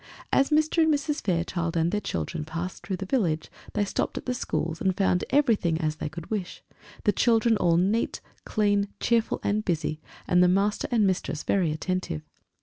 As Mr. and Mrs. Fairchild and their children passed through the village they stopped at the schools, and found everything as they could wish the children all clean, neat, cheerful, and busy, and the master and mistress very attentive.